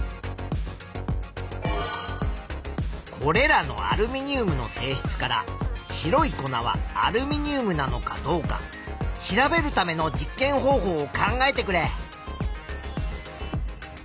これらのアルミニウムの性質から白い粉はアルミニウムなのかどうか調べるための実験方法を考えてくれ。